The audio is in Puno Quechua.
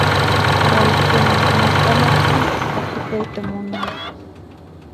Paykuna maqanakuypi atipayta munanku.